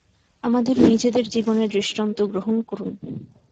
আমাদের নিজেদের জীবনের দৃষ্টান্ত গ্রহণ করুন।